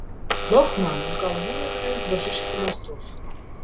Լոխման. ընկալվում է նաև բժիշկ իմաստով։